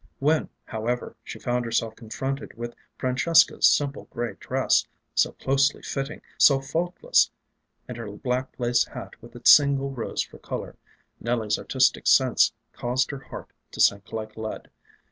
When, however, she found herself confronted with Francesca's simple gray dress, so closely fitting, so faultless, and her black lace hat with its single rose for color, Nelly's artistic sense caused her heart to sink like lead.